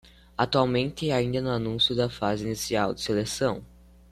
Atualmente ainda no anúncio da fase inicial de seleção